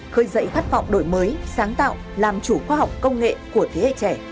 khơi dậy khát vọng đổi mới sáng tạo làm chủ khoa học công nghệ của thế hệ trẻ